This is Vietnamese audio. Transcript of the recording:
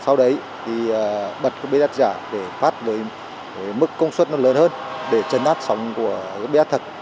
sau đấy thì bật bếp giả để phát với mức công suất nó lớn hơn để trần nát sóng của bếp giả thật